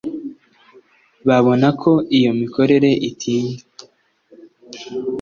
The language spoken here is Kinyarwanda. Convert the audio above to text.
babona ko iyo mikorere itinda.